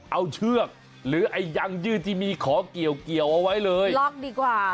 เอาเชือกหรือไอ้ยังยืดที่มีขอเกี่ยวเอาไว้เลยล็อกดีกว่า